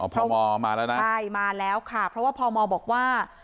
พมมาแล้วนะใช่มาแล้วค่ะเพราะว่าพมบอกว่า